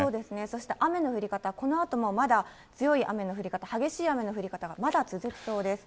そして雨の降り方、このあともまだ強い雨の降り方、激しい雨の降り方がまだ続きそうです。